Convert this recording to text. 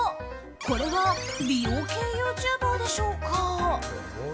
これは美容系ユーチューバーでしょうか？